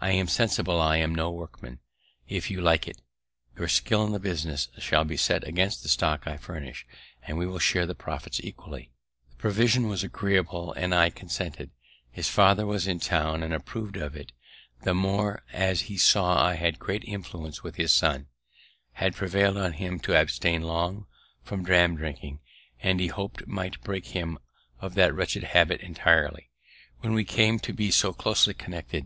I am sensible I am no workman; if you like it, your skill in the business shall be set against the stock I furnish, and we will share the profits equally." The proposal was agreeable, and I consented; his father was in town and approv'd of it; the more as he saw I had great influence with his son, had prevailed on him to abstain long from dram drinking, and he hop'd might break him of that wretched habit entirely, when we came to be so closely connected.